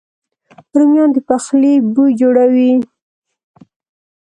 رومیان د پخلي بوی جوړوي